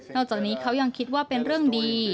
จากนี้เขายังคิดว่าเป็นเรื่องดี